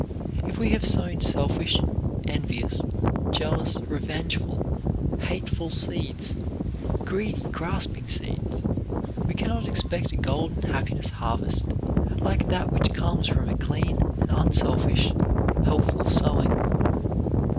If we have sown selfish, envious, jealous, revengeful, hateful seeds, greedy, grasping seeds, we can not expect a golden happiness harvest like that which comes from a clean and unselfish, helpful sowing.